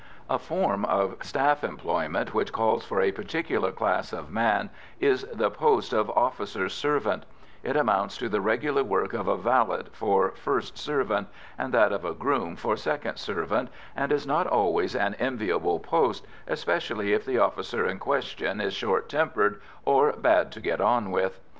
A form of staff employment which calls for a particular class of man is the post of officer's servant; it amounts to the regular work of a valet for "first servant," and that of a groom for "second servant," and is not always an enviable post, especially if the officer in question is short tempered or "bad to get on with."